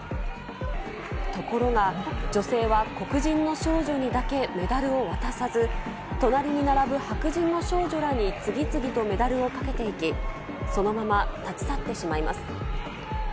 ところが女性は黒人の少女にだけメダルを渡さず、隣に並ぶ白人の少女らに次々とメダルをかけていき、そのまま立ち去ってしまいます。